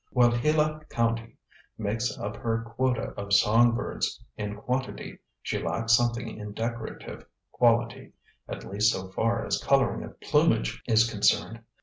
While Gila county makes up her quota of song birds in quantity, she lacks something in decorative quality, at least so far as coloring of plumage is concerned.